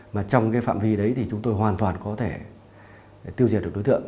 mà trong cái phạm vi đấy thì chúng tôi hoàn toàn có thể tiêu diệt được đối tượng